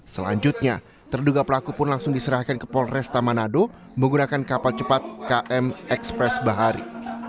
selanjutnya terduga pelaku pun langsung diserahkan ke polresta manado menggunakan kapal cepat km ekspres bahari